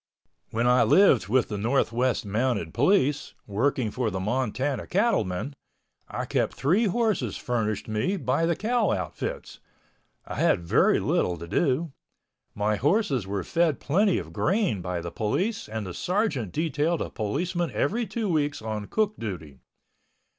When I lived with the Northwest Mounted Police, working for the Montana cattlemen, I kept three horses furnished me by the cow outfits. I had very little to do. My horses were fed plenty of grain by the police and the sergeant detailed a policeman every two weeks on cook duty.